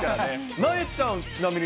なえちゃん、ちなみに？